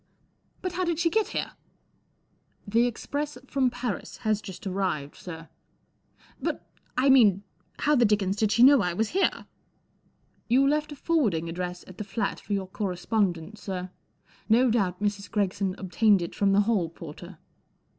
" But how did she get here ?" 44 The express from Paris has just arrived, sir." 44 But, I mean, how the dickens did she know I was here ?" 44 You left a forwarding address at the flat for your correspondence, sir. No doubt Mrs. Gregson obtained it from the hall porter."